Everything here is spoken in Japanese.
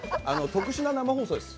特殊な生放送です。